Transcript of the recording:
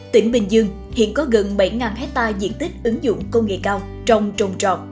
tỉnh bình dương hiện có gần bảy hectare diện tích ứng dụng công nghệ cao trong trồng trọt